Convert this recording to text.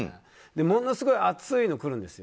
ものすごい厚いのがくるんですよ。